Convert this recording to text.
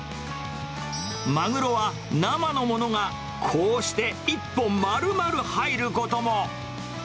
マグロは生のものが、こうして一本丸々入ることも。